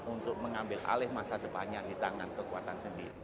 untuk mengambil alih masa depannya di tangan kekuatan sendiri